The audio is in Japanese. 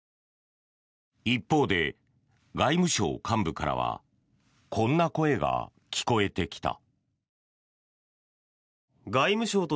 一方で、外務省幹部からはこんな声が聞こえてきた。